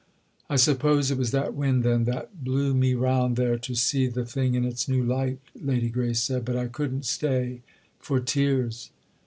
"I suppose it was that wind then that blew me round there to see the thing in its new light," Lady Grace said. "But I couldn't stay—for tears!"